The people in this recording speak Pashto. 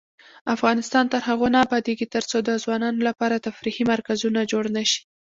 افغانستان تر هغو نه ابادیږي، ترڅو د ځوانانو لپاره تفریحي مرکزونه جوړ نشي.